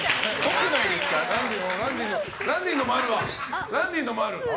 ランディのもある。